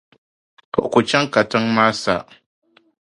O ku chaŋ katiŋa maa sa.